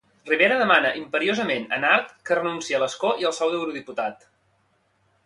Rivera demana imperiosament a Nart que renunciï a l'escó i al sou d'eurodiputat.